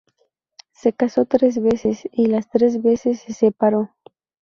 Se casó tres veces y las tres veces se separó.